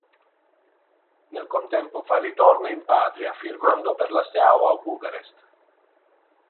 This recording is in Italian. Nel contempo fa ritorno in patria firmando per la Steaua Bucarest.